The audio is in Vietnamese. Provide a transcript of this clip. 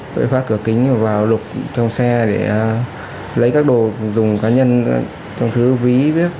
tôi phát cửa kính vào lục trong xe để lấy các đồ dùng cá nhân trong thứ ví